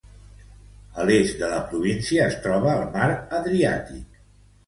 A l'est de la província, es troba el Mar Adriàtic.